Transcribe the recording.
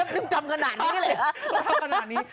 นิ๊มจำกระหน่านี้เลย